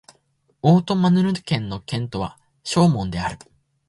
オート＝マルヌ県の県都はショーモンである